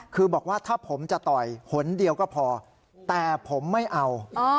คือบอกว่าถ้าผมจะต่อยหนเดียวก็พอแต่ผมไม่เอา